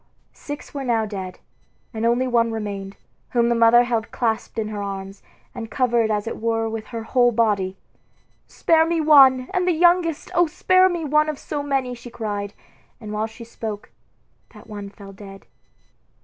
Six were now dead, and only one remained, whom the mother held clasped in her arms, and covered as it were with her whole body. "Spare me one, and that the youngest! O spare me one of so many!" she cried; and while she spoke, that one fell dead.